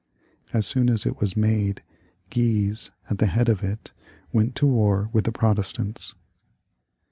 As soon as it was made, Guise, at the head of it, went to war with the Protestants.